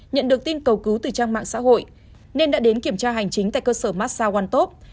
nhận được tin cầu cứu từ trang mạng xã hội nên đã đến kiểm tra hành chính tại cơ sở massa one top